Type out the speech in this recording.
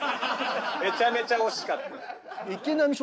めちゃめちゃ惜しかった。